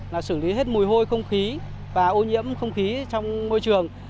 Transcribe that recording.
là xử lý hết mùi hôi không khí và ô nhiễm không khí trong môi trường